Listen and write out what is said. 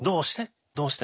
どうして？